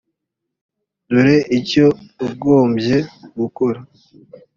dore icyo wagombye gukora